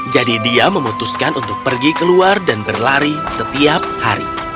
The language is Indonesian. dia memutuskan untuk pergi keluar dan berlari setiap hari